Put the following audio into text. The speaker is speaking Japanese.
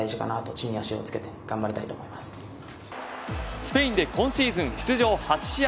スペインで今シーズン出場８試合